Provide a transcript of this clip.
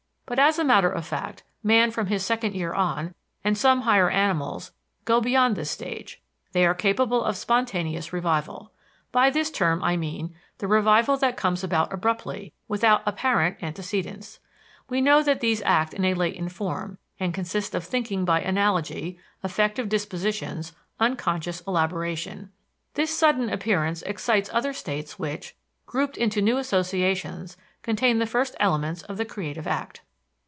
But, as a matter of fact, man from his second year on, and some higher animals, go beyond this stage they are capable of spontaneous revival. By this term I mean that revival that comes about abruptly, without apparent antecedents. We know that these act in a latent form, and consist of thinking by analogy, affective dispositions, unconscious elaboration. This sudden appearance excites other states which, grouped into new associations, contain the first elements of the creative act.